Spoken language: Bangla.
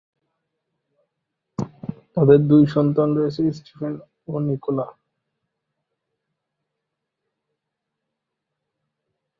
তাঁদের দুই সন্তান রয়েছে- স্টিফেন ও নিকোলা।